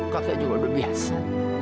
kakek juga udah biasa